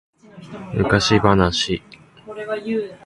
昔話